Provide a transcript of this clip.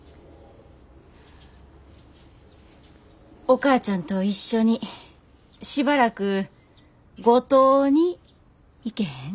お母ちゃんと一緒にしばらく五島に行けへん？